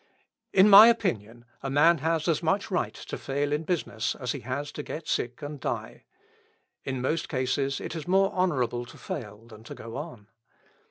In my opinion a man has as much right to fail in business as he has to get sick and die. In most cases it is more honourable to fail than to go on.